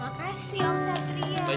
makasih om satria